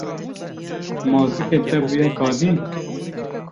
Ma zikê te bûye kadîn.